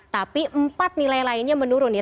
tapi empat nilai lainnya menurun ya